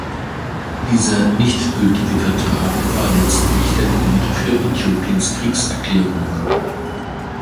Dieser nicht gültige Vertrag war letztlich der Grund für Äthiopiens Kriegserklärung.